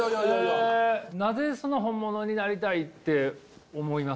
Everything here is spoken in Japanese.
えなぜその本物になりたいって思いますか？